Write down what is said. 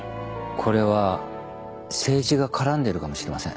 これは政治が絡んでいるかもしれません。